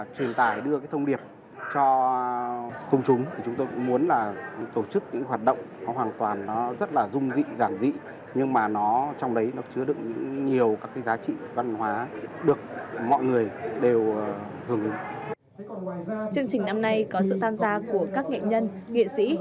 chương trình năm nay có sự tham gia của các nghệ nhân nghệ sĩ